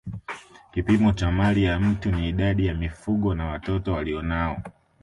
Kipimo cha mali ya mtu ni idadi ya mifugo na watoto alionao